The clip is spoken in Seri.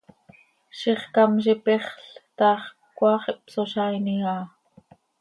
Zixcám z ipexl ta x, cmaax ihpsozaainim aha.